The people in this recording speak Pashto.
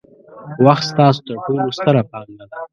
وخت ستاسو ترټولو ستره پانګه ده.